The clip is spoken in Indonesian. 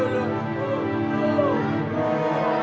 aduh aduh aduh